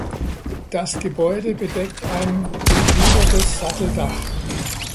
Das Gebäude bedeckt ein gegliedertes Satteldach.